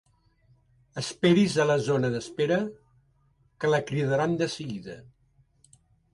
Esperi's a la zona d'espera, que la cridaran de seguida.